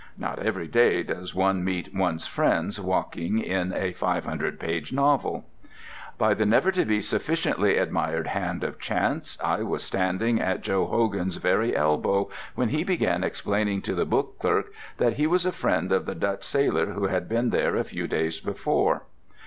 (Not every day does one meet one's friends walking in a 500 page novel!) By the never to be sufficiently admired hand of chance I was standing at Joe Hogan's very elbow when he began explaining to the book clerk that he was a friend of the Dutch sailor who had been there a few days before.